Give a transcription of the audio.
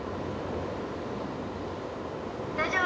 大丈夫。